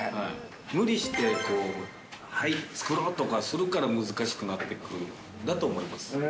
無理して、入って作ろうとするから、難しくなってくるんだと思います。